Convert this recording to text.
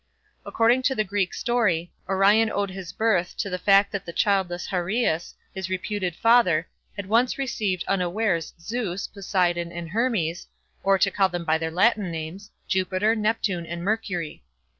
According to the Greek story, Orion owed his birth to the fact that the childless Hyrieus, his reputed father, had once received unawares Zeus, Poseidon, and Hermes, or, to call them by their Latin names, Jupiter, Neptune, and Mercury.